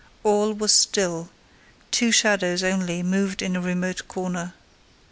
All was still: two shadows only moved in a remote corner.